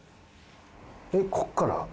えっここから？